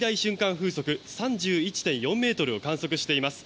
風速３１．４ｍを観測しています。